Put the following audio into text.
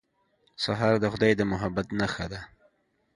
سهار د خدای د محبت نښه ده.